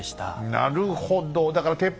なるほど。